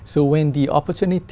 dù là một người du lịch